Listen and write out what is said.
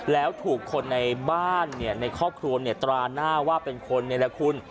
แล้วถูกคนในบ้านในครอบครัวตราหน้าว่าเป็นคนนี่แหละคุณ